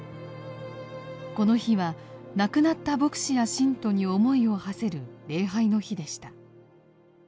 この日は亡くなった牧師や信徒に思いをはせる礼拝の日でした。